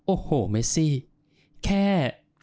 โอ้โหเมซี่แค่